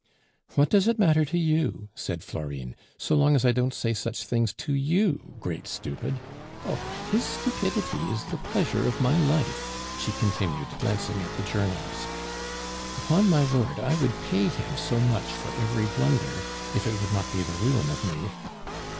"What does it matter to you," said Florine, "so long as I don't say such things to you, great stupid? Oh! his stupidity is the pleasure of my life," she continued, glancing at the journalist. "Upon my word, I would pay him so much for every blunder, if it would not be the ruin of me."